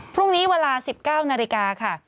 พรุ่งนี้เวลา๑๙นาฬิกาค่ะ